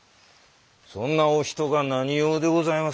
そんなお人が何用でございますか？